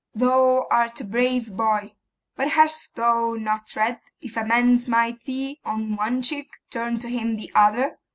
'Thou art a brave boy; but hast thou not read, "If a man smite thee on one cheek, turn to him the other"?